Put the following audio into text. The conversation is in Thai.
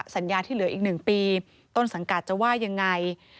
สัญญาที่เหลืออีก๑ปีต้นสังกัดจะว่ายังไง